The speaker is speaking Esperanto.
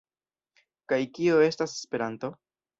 Kaj kio estas Esperanto?